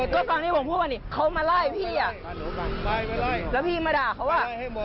ก็ตอนที่ผมพูดว่านี่เขามาไล่พี่อ่ะแล้วพี่มาด่าเขาอ่ะ